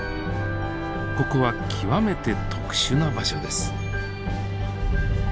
ここは極めて特殊な場所です。